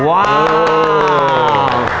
ว้าว